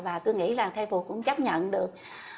và tôi nghĩ rằng thai phụ cũng chấp nhận được